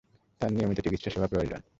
তার নিয়মিত চিকিৎসা সেবা প্রয়োজন।